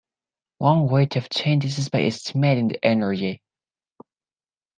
One way to obtain this is by estimating the energy.